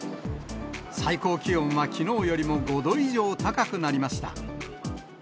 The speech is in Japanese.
最高気温はきのうよりも５度以上高くなりました。